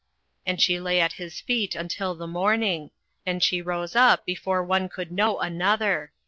08:003:014 And she lay at his feet until the morning: and she rose up before one could know another.